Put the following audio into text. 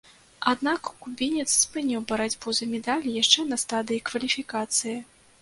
Аднак кубінец спыніў барацьбу за медалі яшчэ на стадыі кваліфікацыі.